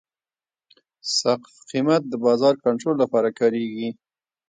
سقف قیمت د بازار کنټرول لپاره کارېږي.